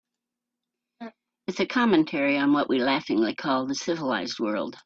It's a commentary on what we laughingly call the civilized world.